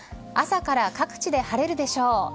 朝から各地で晴れるでしょう。